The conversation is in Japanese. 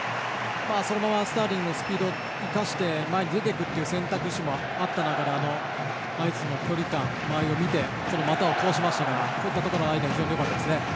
そのままスターリングのスピードを生かし前に出ていく選択肢もあった中で距離感、前を見て通しましたからこういったところのアイデアよかったですね。